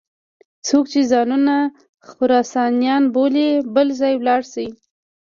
څوک چې ځانونه خراسانیان بولي بل ځای ولاړ شي.